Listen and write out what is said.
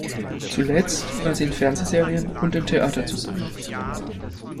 Zuletzt war sie in Fernsehserien und im Theater zu sehen.